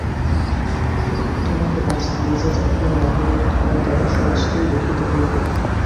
তোমাকে বাছা, নিজে থাকিয়া মহিনের খাওয়াদাওয়া সমস্তই দেখিতে হইবে।